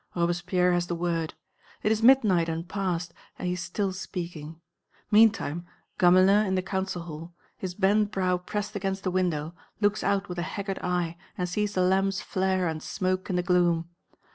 Robespierre has the word. It is midnight and past, he is still speaking. Meantime Gamelin in the Council Hall, his bent brow pressed against a window, looks out with a haggard eye and sees the lamps flare and smoke in the gloom.